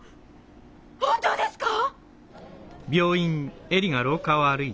本当ですか？